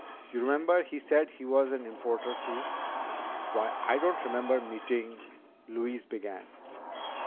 You remember he said he was an importer too." "Why, I don't remember meeting ..." Louise began.